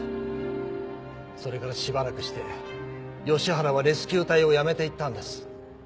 それからしばらくして吉原はレスキュー隊を辞めていったんです。